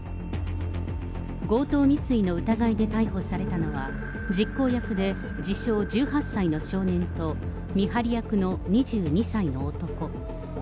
強盗未遂の疑いで逮捕されたのは、実行役で、自称１８歳の少年と、見張り役の２２歳の男。